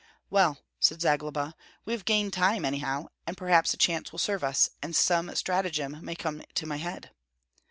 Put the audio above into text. "Well," said Zagloba, "we have gained time anyhow, and perhaps a chance will serve us, and some stratagem may come to my head."